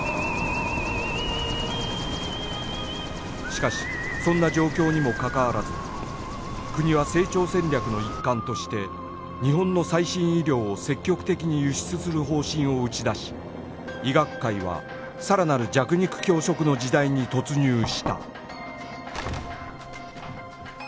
しかしそんな状況にもかかわらず国は成長戦略の一環として日本の最新医療を積極的に輸出する方針を打ち出し医学界はさらなる弱肉強食の時代に突入した